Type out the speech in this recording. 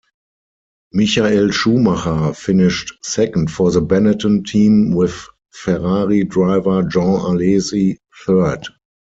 Michael Schumacher finished second for the Benetton team with Ferrari driver Jean Alesi third.